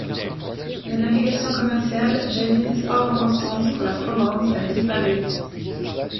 La navigation commerciale jadis fort importante pour la province a disparu.